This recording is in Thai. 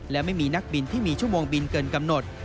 และไม่มีนักบินที่มีชั่วโมงบินเกินกำหนด